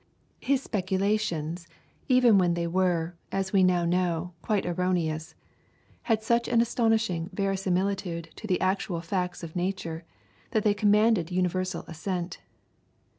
His speculations, even when they were, as we now know, quite erroneous, had such an astonishing verisimilitude to the actual facts of nature that they commanded universal assent.